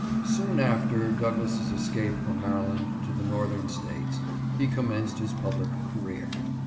Soon after Douglass' escape from Maryland to the Northern States, he commenced his public career.